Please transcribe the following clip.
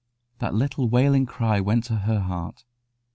That little wailing cry went to her heart.